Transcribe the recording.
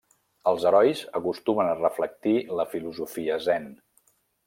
Els herois acostumen a reflectir la filosofia zen.